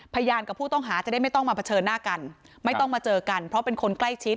พยานกับผู้ต้องหาจะได้ไม่ต้องมาเผชิญหน้ากันไม่ต้องมาเจอกันเพราะเป็นคนใกล้ชิด